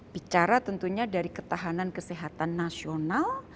bicara tentunya dari ketahanan kesehatan nasional